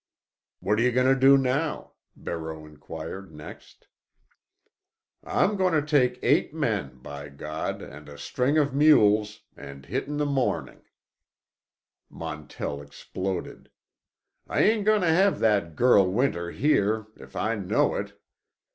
"What are you going to do now?" Barreau inquired next. "I'm goin' to take eight men, by God! and a string of mules, and hit it in the mornin'," Montell exploded. "I ain't goin' to have that girl winter here, if I know it.